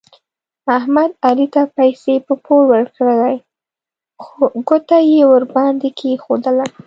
احمد علي ته پیسې په پور ورکړلې خو ګوته یې ور باندې کېښودله.